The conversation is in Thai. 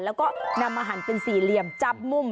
แล้วก็นำมาหันเป็นสี่เหลี่ยมจับมุม